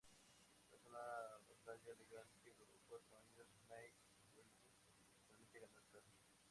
Tras una batalla legal que duró cuatro años, May-Welby finalmente ganó el caso.